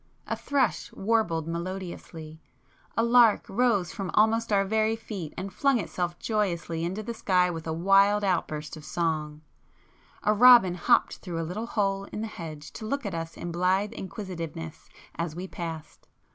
A thrush warbled melodiously,—a lark rose from almost our very feet and flung itself joyously into the sky with a wild outburst of song,—a robin hopped through a little hole in the hedge to look at us in blithe inquisitiveness as we passed.